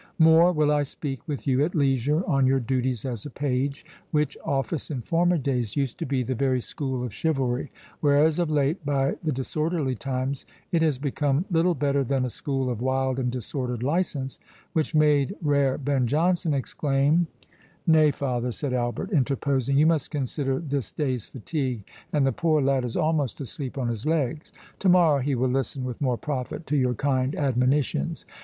More will I speak with you at leisure, on your duties as a page, which office in former days used to be the very school of chivalry; whereas of late, by the disorderly times, it has become little better than a school of wild and disordered license; which made rare Ben Jonson exclaim"— "Nay, father," said Albert, interposing, "you must consider this day's fatigue, and the poor lad is almost asleep on his legs—to morrow he will listen with more profit to your kind admonitions.